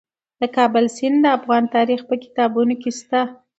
د کابل سیند د افغان تاریخ په کتابونو کې شته.